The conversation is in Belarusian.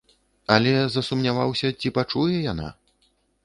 Але засумняваўся, ці пачуе яна?